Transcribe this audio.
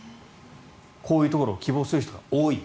こういうところを希望する人が多い。